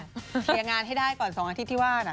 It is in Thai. เคลียร์งานให้ได้ก่อน๒อาทิตย์ที่ว่านะ